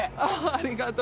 ありがとう。